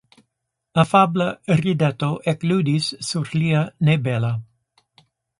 Afabla rideto ekludis sur lia nebela.